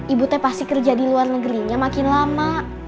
ibu teh pasti kerja di luar negerinya makin lama